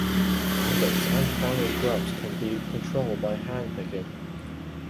Adults and final grubs can be control by hand picking.